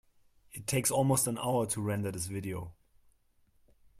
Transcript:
It takes almost an hour to render this video.